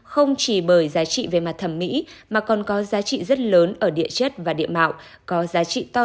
không chỉ bởi giá trị về mặt thẩm mỹ mà còn có giá trị rất lớn ở địa chất và địa mạo